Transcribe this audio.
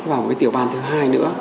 và một tiểu ban thứ hai nữa